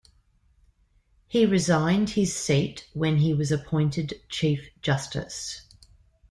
He resigned his seat when he was appointed Chief Justice.